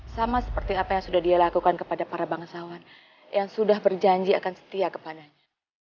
sama seperti apa yang sudah dia lakukan kepada para bangsawan yang sudah berjanji akan setia kepadanya